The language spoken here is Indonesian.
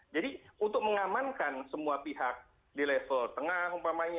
jadi untuk mengamankan semua pihak di level tengah